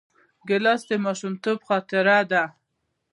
ګیلاس د ماشومتوب خاطره ده.